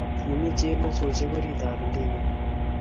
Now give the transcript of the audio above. kimi chelesosyek orit ab ndegeit